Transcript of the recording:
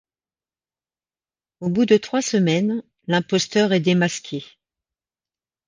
Au bout de trois semaines, l’imposteur est démasqué.